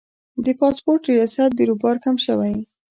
د پاسپورت ریاست بیروبار کم شوی؟